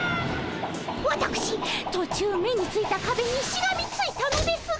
わたくし途中目についたかべにしがみついたのですが。